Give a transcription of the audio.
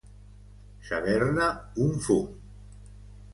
Saber-ne un fum.